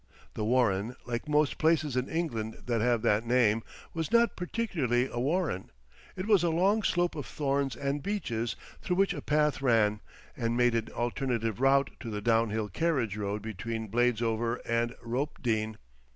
The Warren, like most places in England that have that name, was not particularly a warren, it was a long slope of thorns and beeches through which a path ran, and made an alternative route to the downhill carriage road between Bladesover and Ropedean.